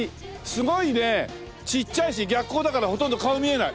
すごいねちっちゃいし逆光だからほとんど顔見えない。